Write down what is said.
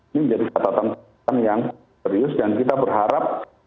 ini menjadi kesatatan yang serius dan kita berharap